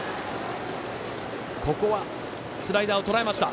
ここはスライダーをとらえました。